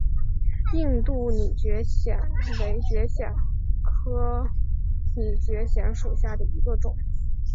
印度拟蕨藓为蕨藓科拟蕨藓属下的一个种。